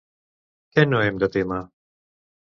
Què no hem de témer?